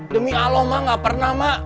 demi allah mah gak pernah mah